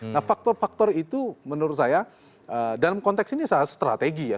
nah faktor faktor itu menurut saya dalam konteks ini strategi ya